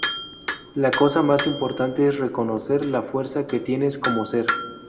La cosa más importante es reconocer la fuerza que tienes como ser.